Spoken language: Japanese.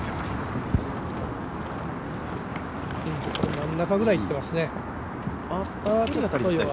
真ん中ぐらいいっていますね。